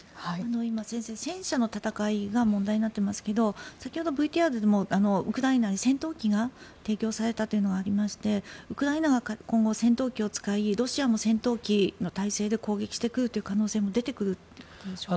今、先生、戦車の戦いが問題になっていますが先ほどＶＴＲでもウクライナに戦闘機が提供されたというのがありましてウクライナが今後、戦闘機を使いロシアも戦闘機の体制で攻撃してくるという可能性も出てくるんでしょうか？